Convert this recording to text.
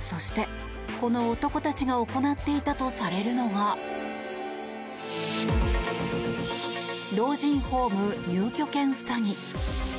そしてこの男たちが行っていたとされるのが老人ホーム入居権詐欺。